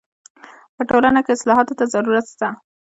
په ټولنه کي اصلاحاتو ته ضرورت سته.